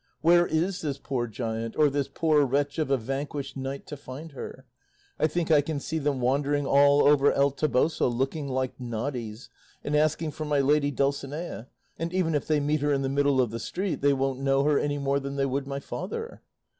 Where is this poor giant, or this poor wretch of a vanquished knight, to find her? I think I can see them wandering all over El Toboso, looking like noddies, and asking for my lady Dulcinea; and even if they meet her in the middle of the street they won't know her any more than they would my father."